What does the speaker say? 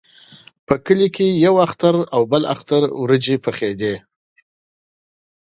په کلي کې اختر او بل اختر وریجې پخېدې.